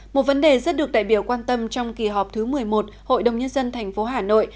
một vấn đề rất được đại biểu quan tâm trong kỳ họp thứ một mươi một hội đồng nhân dân tp hà nội